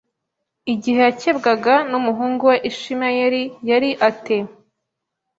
igihe yakebwaga n Umuhungu we Ishimayeli yari a te